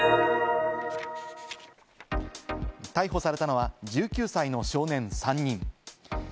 逮捕されたのは１９歳の少年３人。